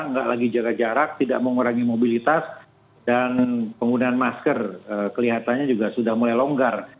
tidak ada jarak tidak mengurangi mobilitas dan penggunaan masker kelihatannya juga sudah mulai longgar